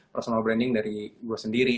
personal branding dari gue sendiri